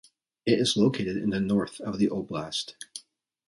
It is located in the north of the oblast.